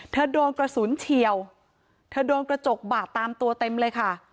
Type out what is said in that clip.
โดนกระสุนเฉียวเธอโดนกระจกบาดตามตัวเต็มเลยค่ะ